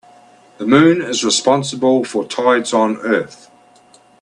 The moon is responsible for tides on earth.